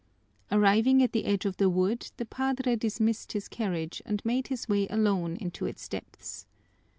Arriving at the edge of the wood, the padre dismissed his carriage and made his way alone into its depths.